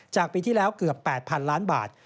ปีที่แล้วเกือบ๘๐๐๐ล้านบาท